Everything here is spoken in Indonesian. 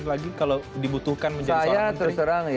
apalagi kalau dibutuhkan menjadi seorang menteri